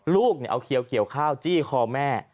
ลูกเอาเขียวเกี่ยวข้าวจี้คอแม่